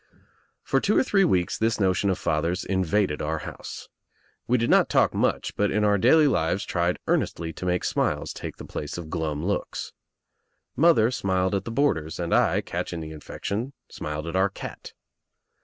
For two or three weeks Ihts notion of father's in vaded our house. We did not talk much, but in our daily lives tried earnestly to make smiles take the place of glum looks. Mother smiled at the boarders and I, catching the infection, smiled at our cat.